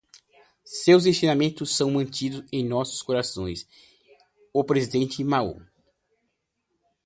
Seus ensinamentos são mantidos em nossos corações, ó Presidente Mao